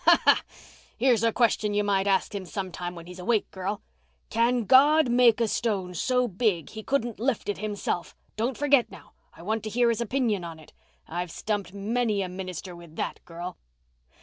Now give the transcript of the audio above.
Ha, ha! Here's a question you might ask him sometime when he's awake, girl. 'Can God make a stone so big He couldn't lift it Himself?' Don't forget now. I want to hear his opinion on it. I've stumped many a minister with that, girl."